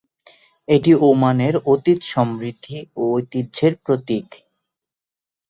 এই ওমানের অতীত সমৃদ্ধি ও ঐতিহ্যের প্রতীক।